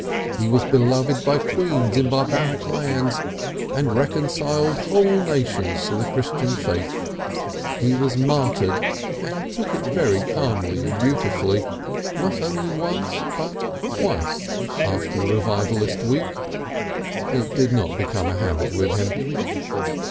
He was beloved by queens in barbaric lands, and reconciled whole nations to the Christian faith. He was martyred, and took it very calmly and beautifully but only once or twice after the Revivalist week. It did not become a habit with him.